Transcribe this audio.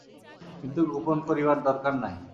কিন্তু গোপন করিবার দরকার নাই।